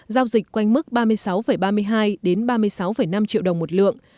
giao dịch quanh mức ba mươi sáu ba mươi hai ba mươi sáu năm triệu đồng một lượng